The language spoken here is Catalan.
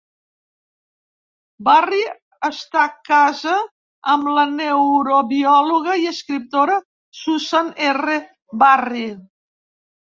Barry està casa amb la neurobiòloga i escriptora Susan R. Barry.